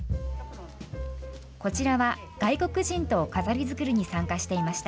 こちらは、外国人と飾り作りに参加していました。